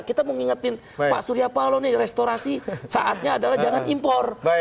kita mau mengingetin pak surya pahlawi restorasi saatnya adalah jangan impor